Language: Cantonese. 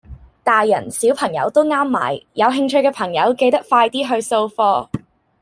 大人小朋友都啱買，有興趣嘅朋友記得快啲去掃貨